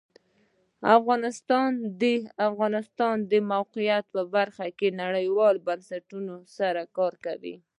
افغانستان د د افغانستان د موقعیت په برخه کې نړیوالو بنسټونو سره کار کوي.